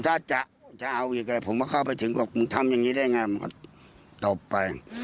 ได้เดินไปถึงบอกทำอย่างนี้ได้ไงก็ตบไป